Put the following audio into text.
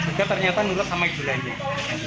jika ternyata menurut sama geng